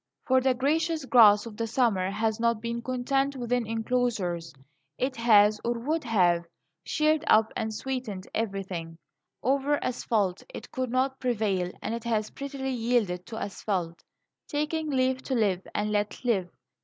For the gracious grass of the summer has not been content within enclosures. It has or would have cheered up and sweetened everything. Over asphalte it could not prevail, and it has prettily yielded to asphalte, taking leave to live and let live.